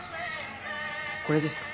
これですか？